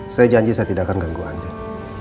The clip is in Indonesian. saya janji saya tidak akan ganggu andin